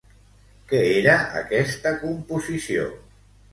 Què era aquesta composició?